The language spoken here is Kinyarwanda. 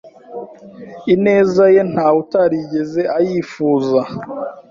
ineza ye ntawe utarigeze ayifuza,